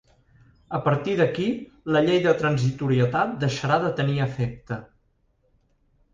A partir d’aquí la llei de transitorietat deixarà de tenir efecte.